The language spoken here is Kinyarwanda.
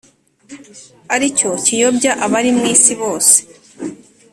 ari cyo kiyobya abari mu isi bose.